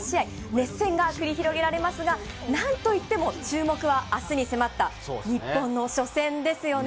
熱戦が繰り広げられますが、何と言っても注目はあすに迫った日本の初戦ですよね。